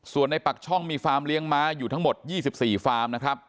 ส่วนในปากช่องมีฟาร์มเลี้ยงม้าอยู่ทั้งหมด๒๔ฟาร์มนะครับ